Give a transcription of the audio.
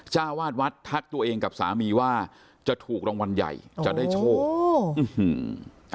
เจ้าวาดวัดทักตัวเองกับสามีว่าจะถูกรางวัลใหญ่จะได้โชค